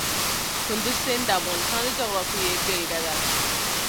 کندز سیند د افغانستان د جغرافیې بېلګه ده.